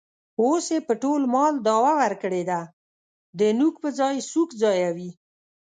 اوس یې په ټول مال دعوه ورکړې ده. د نوک په ځای سوک ځایوي.